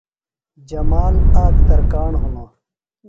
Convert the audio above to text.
جمال آک ترکاݨ ہِنوۡ۔